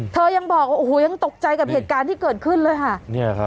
ยังบอกโอ้โหยังตกใจกับเหตุการณ์ที่เกิดขึ้นเลยค่ะ